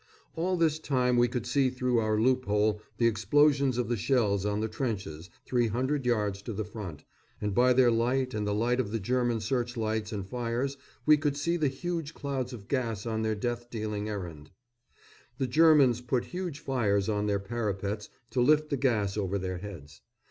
All this time we could see through our loop hole the explosions of the shells on the trenches, 300 yards to the front, and by their light and the light of the German searchlights and fires we could see the huge clouds of gas on their death dealing errand. The Germans put huge fires on their parapets to lift the gas over their heads.